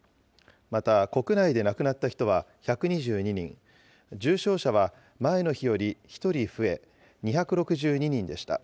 また国内で亡くなった人は１２２人、重症者は前の日より１人増え２６２人でした。